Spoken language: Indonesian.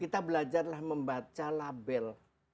kita belajarlah membaca label